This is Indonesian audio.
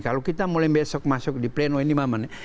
kalau kita mulai besok masuk di pleno ini momen